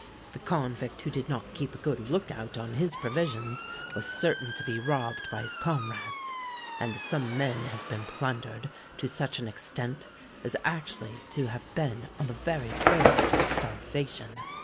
The convict who did not keep a good look out on his provisions was certain to be robbed by his comrades; and some men have been plundered to such an extent as actually to have been on the very verge of starvation.